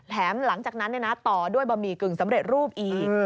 หลังจากนั้นต่อด้วยบะหมี่กึ่งสำเร็จรูปอีก